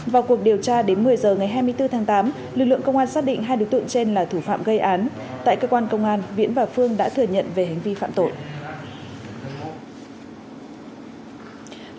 vào cuộc điều tra đến một mươi h ngày hai mươi bốn tháng tám lực lượng công an xác định hai đối tượng trên là thủ phạm gây án tại cơ quan công an viễn và phương đã thừa nhận về hành vi phạm tội